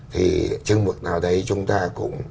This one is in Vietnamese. thì chừng mực nào đấy chúng ta cũng